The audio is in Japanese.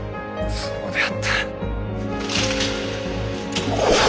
そうであった。